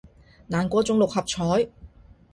難中過六合彩